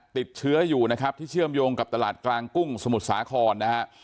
ติดเชื้ออยู่นะครับที่เชื่อมโยงกับตลาดกลางกุ้งสมุทรสาครนะฮะ